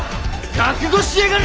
・覚悟しやがれ！